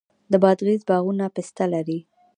د بادغیس باغونه پسته لري.